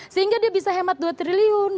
sehingga dia bisa hemat dua triliun